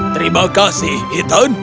terima kasih ethan